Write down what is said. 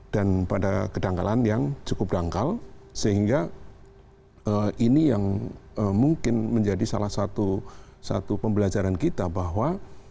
dan pada kedanggalan yang cukup dangkal sehingga ini yang mungkin menjadi salah satu pembelajaran kita bahwa